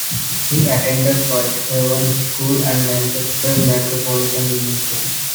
He attended Whitehaven School and Manchester Metropolitan University.